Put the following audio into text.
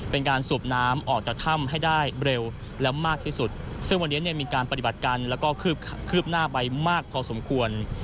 เป็นการสูบน้ำออกจากถ้ำให้ได้เร็วและมากที่สุดซึ่งวันนี้เนี่ยมีการปฏิบัติการแล้วก็คืบหน้าไปมากพอสมควร